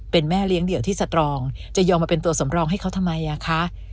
เป็นแม่เลี้ยงเดี่ยวที่สตรองจะยอมมาเป็นตัวสำรองให้เขาทำไมอ่ะคะ